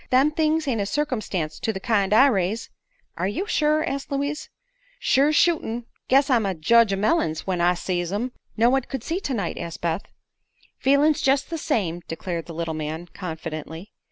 Them things ain't a circumstance to the kind I raise." "Are you sure?" asked Louise. "Sure's shootln'. Guess I'm a jedge o' mellings, when I sees 'em." "No one could see tonight," said Beth. "Feelin's jest the same," declared the little man, confidently.